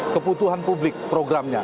keputuhan publik programnya